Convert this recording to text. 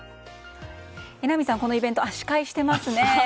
榎並さん、このイベント司会してますね。